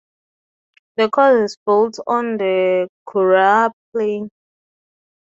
The course is built on The Curragh plain.